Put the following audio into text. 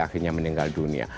akhirnya meninggal dunia